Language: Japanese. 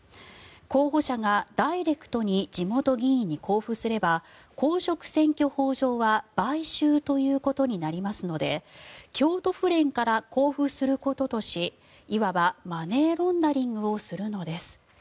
候補者がダイレクトに地元議員に交付すれば公職選挙法上は買収ということになりますので京都府連から交付することとしいわばマネーロンダリングをするのです。